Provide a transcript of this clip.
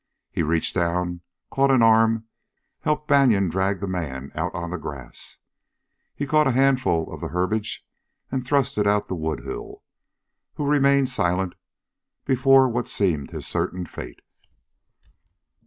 He reached down, caught an arm and helped Banion drag the man out on the grass. He caught off a handful of herbage and thrust it out to Woodhull, who remained silent before what seemed his certain fate.